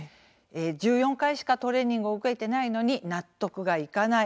１４回しかトレーニングを受けていないのに納得がいかない。